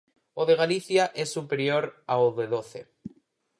O de Galicia é superior ao de doce.